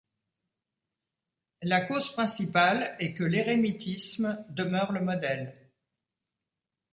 La cause principale est que l’érémitisme demeure le modèle.